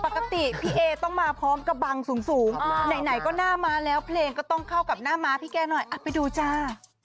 ปกติพี่เอต้องมาพร้อมกระบังสูงไหนก็หน้าม้าแล้วเพลงก็ต้องเข้ากับหน้าม้าพี่แกหน่อยไปดูจ้า